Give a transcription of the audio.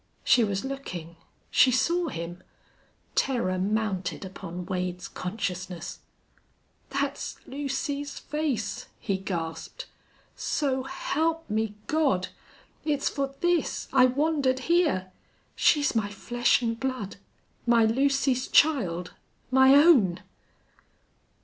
She was looking she saw him. Terror mounted upon Wade's consciousness. "That's Lucy's face!" he gasped. "So help me, God!... It's for this I wandered here! She's my flesh an' blood my Lucy's child my own!"